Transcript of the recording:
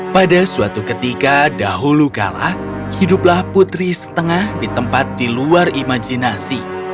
pada suatu ketika dahulu kala hiduplah putri setengah di tempat di luar imajinasi